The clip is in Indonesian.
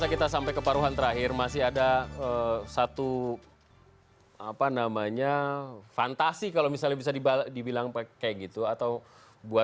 kami akan kembali sesuatu